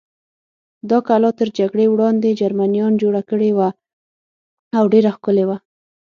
دا کلا تر جګړې وړاندې جرمنیان جوړه کړې وه او ډېره ښکلې وه.